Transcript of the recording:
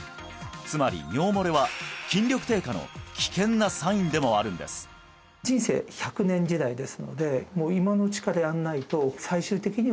つまり尿もれは筋力低下の危険なサインでもあるんです